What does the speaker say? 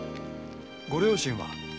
ご両親は？